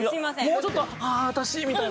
もうちょっと「ああ私」みたいな。